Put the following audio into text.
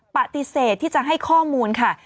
ปฏิเสธที่จะให้ข้อมูลค่ะ